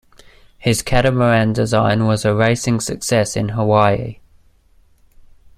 His catamaran design was a racing success in Hawaii.